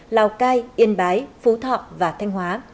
lào cai yên bái phú thọ và thanh hóa